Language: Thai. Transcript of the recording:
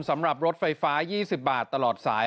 สำหรับรถไฟฟ้ายี่สิบบาทตลอดสาย